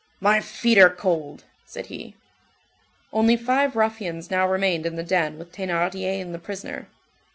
"My feet are cold!" said he. Only five ruffians now remained in the den with Thénardier and the prisoner.